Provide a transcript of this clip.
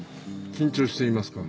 緊張していますか？